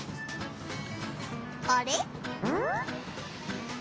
あれ？